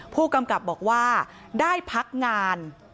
ผู้กำกับบอกว่าได้พักงาน